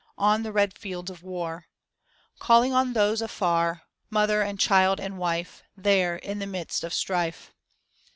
On the red fields of war; Calling on those afar. Mother and child and wife There in the midst of strife.